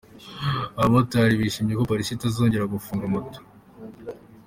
Abamotari bishimiye ko Polisi itazongera gufunga moto